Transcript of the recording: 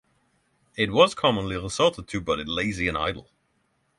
It was commonly resorted to by the lazy and idle.